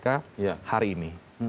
kepada hari ini